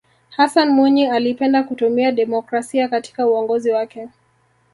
hassan mwinyi alipenda kutumia demokrasia katika uongozi wake